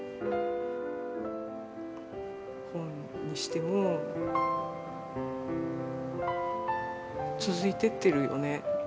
本にしても続いてってるよね。